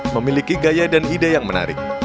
memiliki gaya dan ide yang menarik